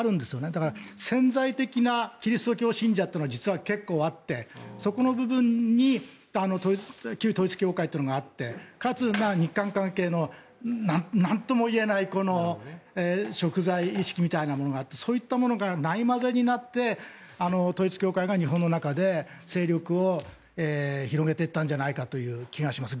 だから潜在的なキリスト教信者は実は結構あってそこの部分に旧統一教会というのがあってかつ日韓関係のなんとも言えないしょく罪意識みたいなものがあってそういったものがない交ぜになって、統一教会が日本の中で勢力を広めていったんじゃないかという気がします。